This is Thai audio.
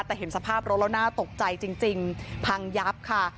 แต่เห็นสภาพรถแล้วน่าตกใจจริงพังยับค่ะ